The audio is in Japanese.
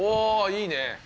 いいね！